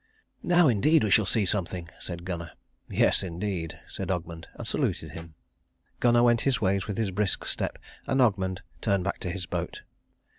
"Now indeed we shall see something," said Gunnar. "Yes, indeed," said Ogmund, and saluted him. Gunnar went his ways with his brisk step, and Ogmund turned back to his boat.